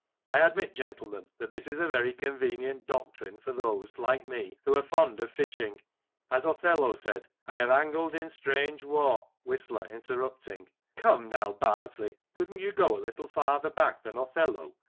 I admit, gentlemen, that this is a very convenient doctrine for those, like me, who are fond of fishing. As Othello said :" I have angled in strange wa — Whistler {interrupting) : Come, now, Bardsley, couldn't you go a little farther back than Othello